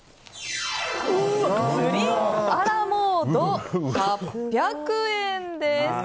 プリンアラモード、８００円です。